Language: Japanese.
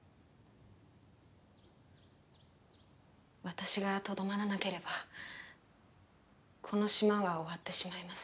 私がとどまらなければこの島は終わってしまいます。